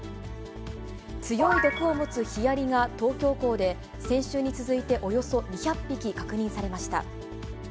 強い毒を持つヒアリが、東京港で先週に続いておよそ２００匹確認されました。